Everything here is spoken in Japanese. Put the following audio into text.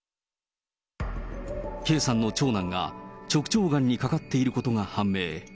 Ｋさんの長男が直腸がんにかかっていることが判明。